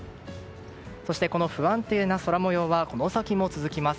そして、この不安定な空模様はこの先も続きます。